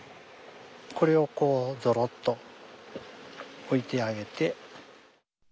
これをこうゾロッと置いてあげて。